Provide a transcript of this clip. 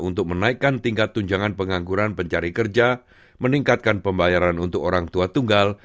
untuk menaikkan tingkat tunjangan pengangguran pencari kerja meningkatkan pembayaran untuk orang tua tunggal